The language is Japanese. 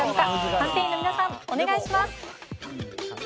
判定員の皆さんお願いします！